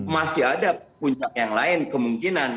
masih ada puncak yang lain kemungkinan